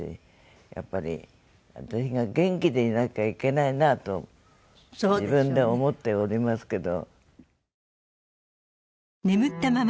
やっぱり私が元気でいなきゃいけないなと自分で思っておりますけど。